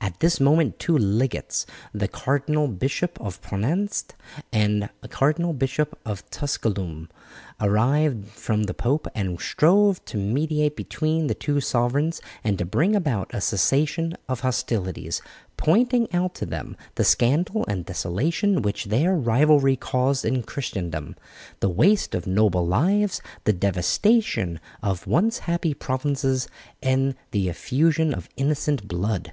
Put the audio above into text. At this moment two legates, the Cardinal Bishop of Preneste and the Cardinal Bishop of Tusculum, arrived from the pope and strove to mediate between the two sovereigns and to bring about a cessation of hostilities, pointing out to them the scandal and desolation which their rivalry caused in Christendom, the waste of noble lives, the devastation of once happy provinces, and the effusion of innocent blood.